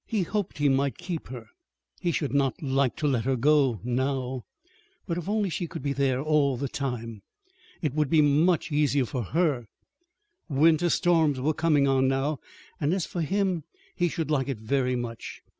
He hoped he might keep her. He should not like to let her go now. But if only she could be there all the time! It would be much easier for her winter storms were coming on now; and as for him he should like it very much.